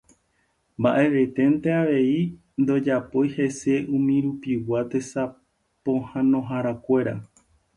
Mba'evénte avei ndojapói hese umirupigua tesapohãnoharakuéra.